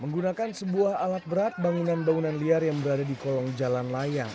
menggunakan sebuah alat berat bangunan bangunan liar yang berada di kolong jalan layang